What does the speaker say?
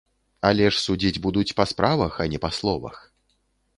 Але ж судзіць будуць па справах, а не па словах.